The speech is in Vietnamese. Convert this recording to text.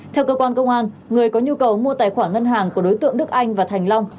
theo cơ quan công an người có nhu cầu mua tài khoản ngân hàng của đối tượng đức anh và thành long